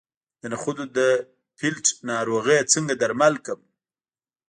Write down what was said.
د نخودو د پیلټ ناروغي څنګه درمل کړم؟